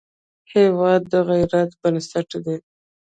هېواد د غیرت بنسټ دی.